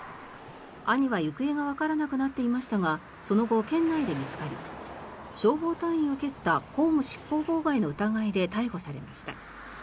兄は行方がわからなくなっていましたがその後、県内で見つかり消防隊員を蹴った公務執行妨害の疑いで逮捕されました。